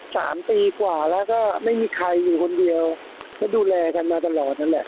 สามปีกว่าแล้วก็ไม่มีใครอยู่คนเดียวก็ดูแลกันมาตลอดนั่นแหละ